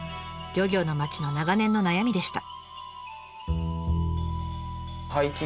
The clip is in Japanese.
漁業の町の長年の悩みでした。